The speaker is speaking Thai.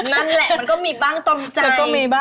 อ๋อมันก็มีบ้างตรงใจ